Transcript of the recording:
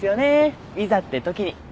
いざってときに。